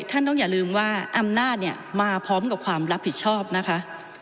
ท่านต้องอย่าลืมว่าอำนาจเนี่ยมาพร้อมกับความรับผิดชอบนะคะ